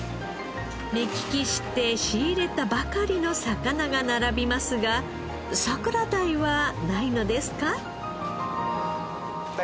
目利きして仕入れたばかりの魚が並びますが桜鯛はないのですか？